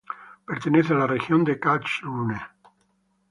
Pertenece a la región de Karlsruhe.